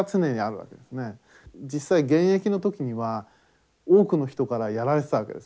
実際現役の時には多くの人からやられてたわけですね。